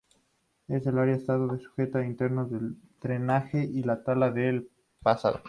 El área ha estado sujeta a intentos de drenaje y tala en el pasado.